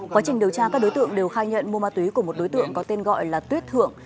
quá trình điều tra các đối tượng đều khai nhận mua ma túy của một đối tượng có tên gọi là tuyết thượng